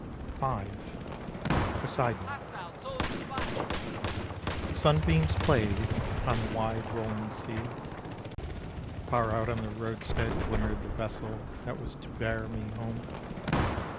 V. POSEIDON. The sunbeams played Upon the wide rolling sea. Far out on the roadstead glimmered the vessel That was to bear me home.